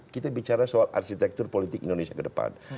kita bicara soal arsitektur politik indonesia ke depan